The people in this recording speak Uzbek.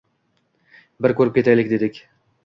Bir ko‘rib ketaylik dedik.